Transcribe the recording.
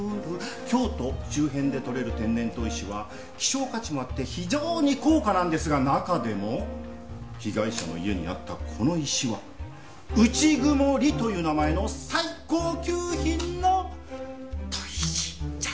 京都周辺で採れる天然砥石は希少価値もあって非常に高価なんですが中でも被害者の家にあったこの石は「内曇」という名前の最高級品の砥石じゃった。